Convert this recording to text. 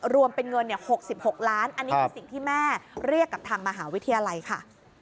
รวมเป็นเงิน๖๖ล้านอันนี้คือสิ่งที่แม่เรียกกับทางมหาวิทยาลัยค่ะ